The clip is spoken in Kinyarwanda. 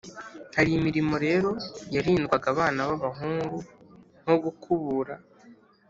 Hari imirimo rero yarindwaga abana b’abahungu nko gukubura,